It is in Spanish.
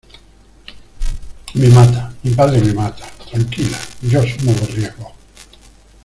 me mata, mi padre me mata. tranquila , yo asumo los riesgos .